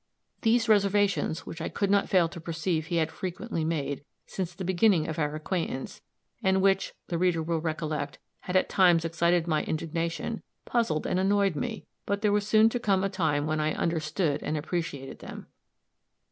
These reservations which I could not fail to perceive he had frequently made, since the beginning of our acquaintance, and which, the reader will recollect, had at times excited my indignation puzzled and annoyed me; but there was soon to come a time when I understood and appreciated them.